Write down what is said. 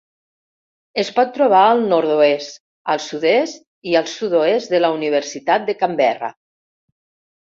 Es pot trobar al nord-oest, al sud-est i al sud-oest de la Universitat de Canberra.